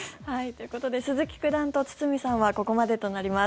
ということで鈴木九段と堤さんはここまでとなります。